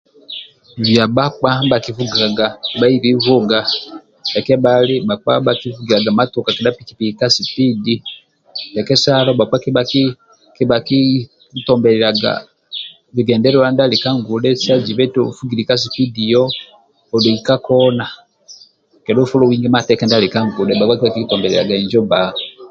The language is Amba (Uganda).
Bia bhakpa ndibha kivugaga kabhaibi vuga ndia kebhali bhakivugiliaga matoka kedha piki piki ka sipidi ndie kesalo bhakpa kebha kabha ki kitombililiaga bigendelelwa ndia ali ka ngudhe sa zibe eti ovugili ka sipidi yoho odoi ka kona kedha ofolowinge mateka ndia ali ka ngudhe bia bhakpa kabha kitombililiaga injo bba